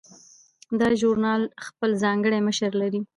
دا ژورنال خپل ځانګړی مشر لري.